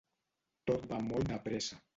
Tot va molt de pressa.